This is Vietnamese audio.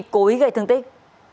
cố ý gây thương tích